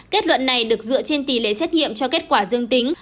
kết luận này được dựa trên tỷ lệ xét nghiệm cho kết quả dương tính